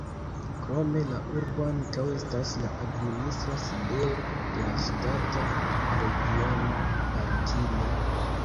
Krome la urbo ankaŭ estas la administra sidejo de la ŝtata regiono "Maritime".